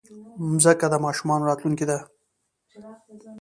مځکه د ماشومانو راتلونکی ده.